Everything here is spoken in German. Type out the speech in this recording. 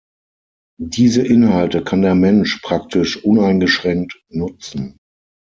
Diese Inhalte kann der Mensch praktisch uneingeschränkt nutzen.